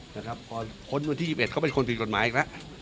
วันที่๒๑เขาเป็นคนผิดกฎหมายอีกละ